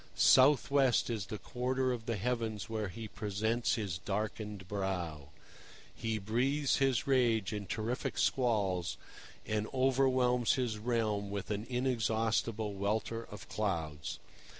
South west is the quarter of the heavens where he presents his darkened brow. He breathes his rage in terrific squalls, and overwhelms his realm with an inexhaustible welter of clouds.